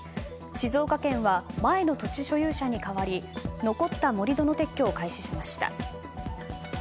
静岡県は前の土地所有者に代わり残った盛り土の撤去を開始しました。